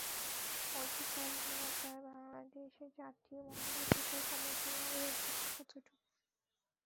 অধিকারহীনতার বাংলাদেশে জাতীয় মানবাধিকার কমিশনের অগ্রগতি কতটুকু?